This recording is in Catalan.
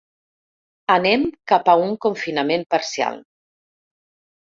Anem cap a un confinament parcial.